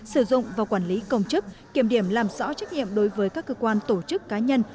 sử dụng và quản lý công chức kiểm điểm làm rõ trách nhiệm đối với các cơ quan tổ chức cá nhân